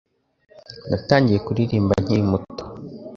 Natangiye kuririmba nkiri muto.